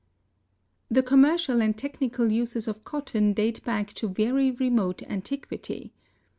The commercial and technical uses of cotton date back to very remote antiquity.